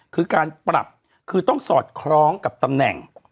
คือการปรับคือต้องสอดคล้องกับตำแหน่ง